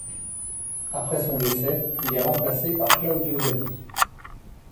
Après son décès, il est remplacé par Claudio Zali.